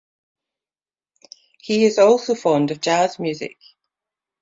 He is also fond of jazz music.